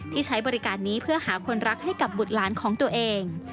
ใช้บริการนี้เพื่อหาคนรักให้กับบุตรหลานของตัวเอง